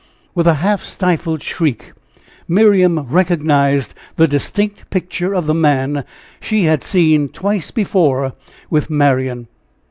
With a half stifled shriek, Miriam recognized the distinct picture of the man she had seen twice before with Marian.